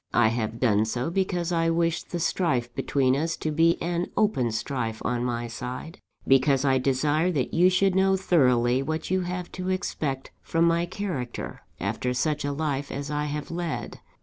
I have done so, because I wish the strife between us to be an open strife on my side; because I desire that you should know thoroughly what you have to expect from my character, after such a life as I have led.